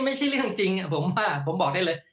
ไม่ใช่เรื่องจริงผมว่าผมบอกได้เลย